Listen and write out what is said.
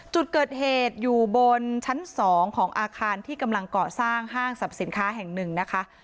จุดเกิดเหตุอยู่บนชั้น๒ของอาคารที่กำลังก่อสร้างห้างสรรพสินค้าแห่งหนึ่งนะคะ